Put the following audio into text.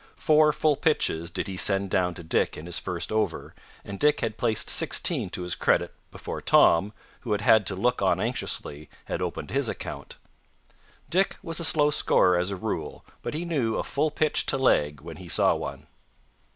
Four full pitches did he send down to Dick in his first over, and Dick had placed 16 to his credit before Tom, who had had to look on anxiously, had opened his account. Dick was a slow scorer as a rule, but he knew a full pitch to leg when he saw one.